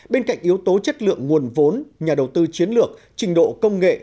bên cạnh yếu tố chất lượng nguồn vốn nhà đầu tư chiến lược trình độ công nghệ